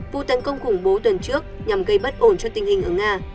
putin công khủng bố tuần trước nhằm gây bất ổn cho tình hình ở nga